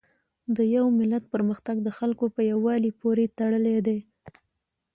د یو ملت پرمختګ د خلکو په یووالي پورې تړلی دی.